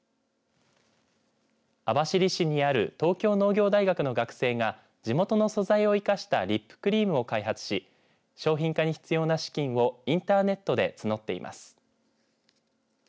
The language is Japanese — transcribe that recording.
網走市にある東京農業大学の学生が地元の素材を生かしたリップクリームを開発し商品化に必要な資金をインターネットで募っています。